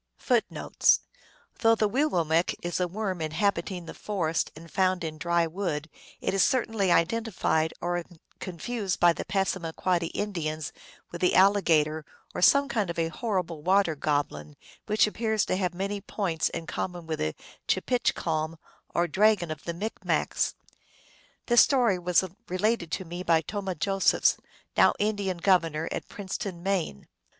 1 ) 1 Though the Weewillmekq is a worm inhabiting the forest and found in dry wood, it is certainly identified, or confused, by the Passamaquoddy Indians with the alligator, or some kind of a horrible water goblin, which appears to have many points in common with the Chepitchcalm, or dragon of the Micmacs. This story was related to me by Tomah Josephs, now Indian governor at Princeton, Maine.